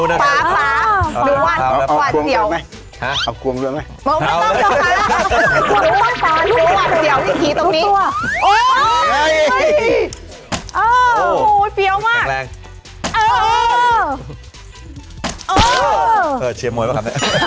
เห็นของอร่อยจริงค่ะ